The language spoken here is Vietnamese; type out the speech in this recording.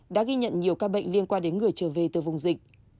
đã ghi nhận nhiều ca bệnh liên quan đến người trở về từ vùng dịch